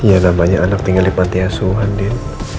ya namanya anak tinggal di manti asuhan din